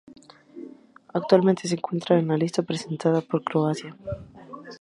Actualmente se encuentra en la lista presentada por Croacia para Patrimonio de la Humanidad.